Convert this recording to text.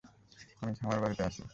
আমি খামারবাড়িতে আছি।